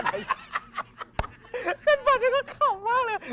ใช่ชั่นทรัพย์ก็ขำมากเลย